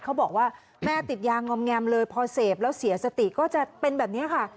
เขาบอกว่าแม่ติดยางอมแงมเลยพอเสพแล้วเสียสติก็จะเป็นแบบนี้ค่ะ